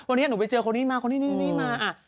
วันนี้หนูไปเจอคนนี้มาคนนี้นี่มา